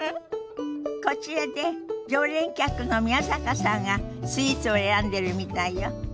こちらで常連客の宮坂さんがスイーツを選んでるみたいよ。